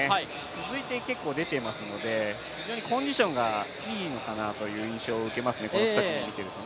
続いて結構出ていますので非常にコンディションがいいのかなという印象を受けます、この２組を見ていると。